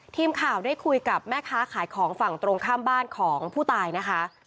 ทีมข่าวได้คุยกับแม่ค้าขายของฝั่งตรงข้ามบ้านของผู้ตายนะคะ